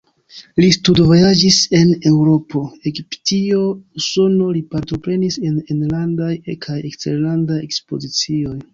Li studvojaĝis en Eŭropo, Egiptio, Usono, li partoprenis en enlandaj kaj eksterlandaj ekspozicioj.